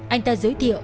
anh ta giới thiệu